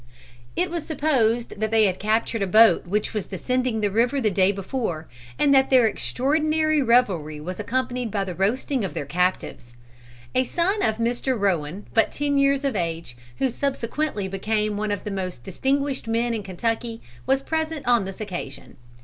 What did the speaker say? It was supposed that they had captured a boat which was descending the river the day before, and that their extraordinary revelry was accompanied by the roasting of their captives. A son of Mr. Rowan, but ten years of age, who subsequently became one of the most distinguished men in Kentucky, was present on this occasion.